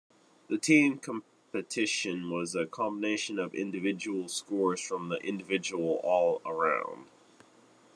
The team competition was a combination of individual scores from the individual all-around.